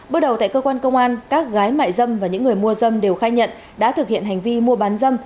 bước đầu tại cơ quan công an các gái mại dâm và những người mua dâm đều khai nhận đã thực hiện hành vi mua bán dâm